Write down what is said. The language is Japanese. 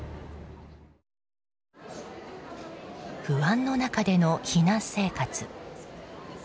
不安の中での避難生活。